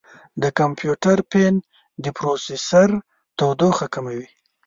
د کمپیوټر فین د پروسیسر تودوخه کموي.